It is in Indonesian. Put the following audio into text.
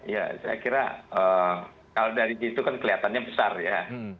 ya saya kira kalau dari situ kan kelihatannya besar ya